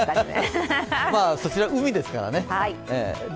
こちら、海ですからね。